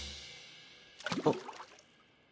あっ！